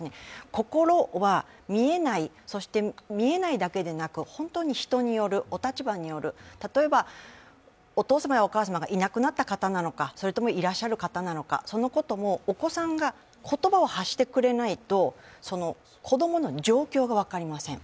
心は見えない、そして見えないだけでなく、本当に人による、お立場による、例えば、お父様やお母様がいなくなった方なのか、それともいらっしゃる方なのかそのこともお子さんが言葉を発してくれないと子供の状況が分かりません。